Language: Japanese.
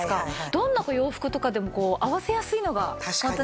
どんな洋服とかでも合わせやすいのがいいですよね。